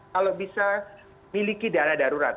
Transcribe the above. kalau bisa miliki dana darurat